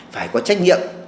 phải có trách nhiệm